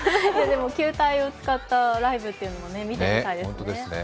球体を使ったライブというのを見てみたいですね。